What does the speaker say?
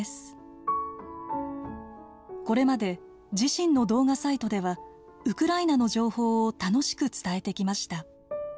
これまで自身の動画サイトではウクライナの情報を楽しく伝えてきました。